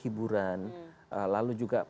hiburan lalu juga